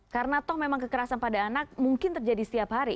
karena toh memang kekerasan pada anak mungkin terjadi setiap hari